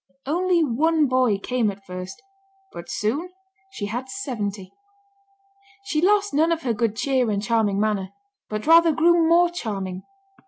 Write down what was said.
Only one boy came at first; but soon she had seventy. She lost none of her good cheer and charming manner, but rather grew more charming.